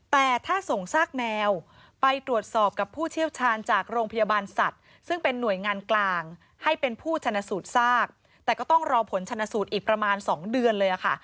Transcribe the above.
แต่ถ้าส่งซากแมวไปตรวจสอบกับผู้เชี่ยวชาญจากโรงพยาบาลสัตว์ซึ่งเป็นหน่วยงานกลางให้เป็นผู้ชนะสูตรซากแต่ก็ต้องรอผลชนสูตรอีกประมาณ๒เดือนเลยค่ะ